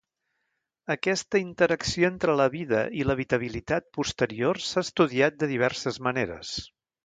Aquesta interacció entre la vida i l'habitabilitat posterior s'ha estudiat de diverses maneres.